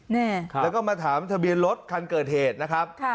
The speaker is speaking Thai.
นี่ค่ะแล้วก็มาถามทะเบียนรถคันเกิดเหตุนะครับ